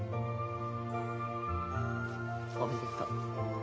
おめでとう。